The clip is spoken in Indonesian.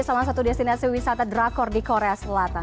salah satu destinasi wisata drakor di korea selatan